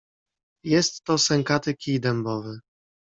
"Jest to sękaty kij dębowy."